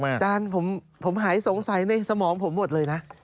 อาจารย์ผมหายสงสัยในสมองผมหมดเลยนะ